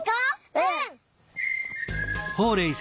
うん。